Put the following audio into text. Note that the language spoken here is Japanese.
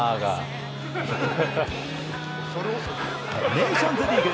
ネーションズリーグ